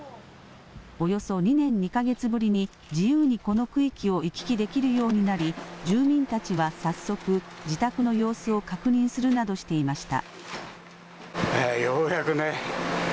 およそ２年２か月ぶりに自由にこの区域を行き来できるようになり住民たちは早速、自宅の様子を確認するなどしていました。